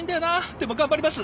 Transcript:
でも頑張ります。